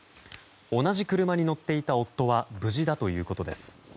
同じ車に乗っていた夫は無事だということです。